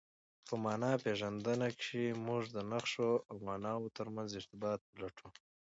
په مانا پېژندنه کښي موږ د نخښو او ماناوو ترمنځ ارتباط پلټو.